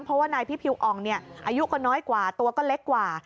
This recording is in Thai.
เพราะว่านายพิพิวอ่องอายุก็น้อยกว่าตัวก็เล็กกว่า